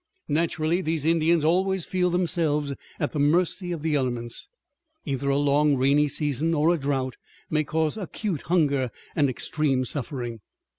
Naturally these Indians always feel themselves at the mercy of the elements. Either a long rainy season or a drought may cause acute hunger and extreme suffering.